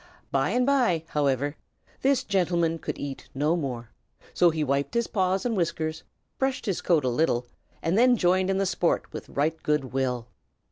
By and by, however, this gentleman could eat no more; so he wiped his paws and whiskers, brushed his coat a little, and then joined in the sport with right good will.